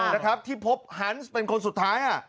นะครับที่พบฮันส์เป็นคนสุดท้าย